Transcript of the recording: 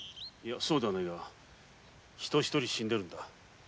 そうではないが人一人死んでるのだ。